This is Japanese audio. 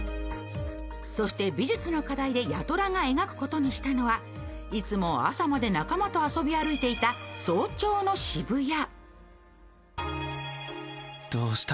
そして美術の課題で八虎が描くことにしたのはいつも朝まで仲間と遊び歩いていた早朝の渋谷。